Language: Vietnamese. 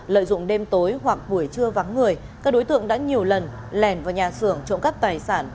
lợi dụng đêm tối hoặc buổi trưa vắng người các đối tượng đã nhiều lần lèn vào nhà xưởng trộm cắp tài sản